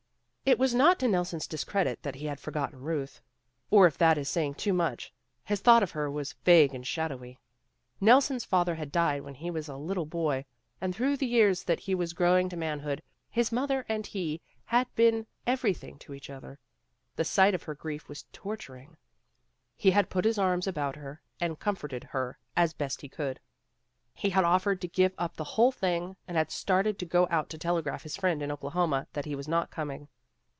It is not to Nelson's discredit that he had forgotten Ruth. Or if that is saying too much, his thought of her was vague and shadowy. Nelson's father had died when he was a little boy, and through the years that he was growing to manhood, his mother and he had been every thing to each other. The sight of her grief was torturing. He had put his arms about her, and comforted her as best he could. He had offered to give up the whole thing, and had started to go out to telegraph his friend in Oklahoma that he was not coming.